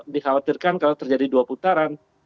dikhawatirkan kalau terjadi dua putaran